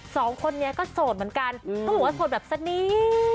สองคนนี้ก็โสดเหมือนกันต้องบอกว่าโสดแบบสนิท